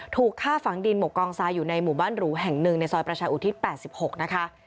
ถูกฆ่าฝังดินหมกกองทรายอยู่ในหมู่บ้านหรูแห่งหนึ่งในซอยประชาอุทิศ๘๖นะคะ